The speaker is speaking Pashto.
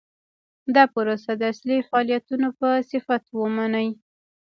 دا پروسه د اصلي فعالیتونو په صفت ومني.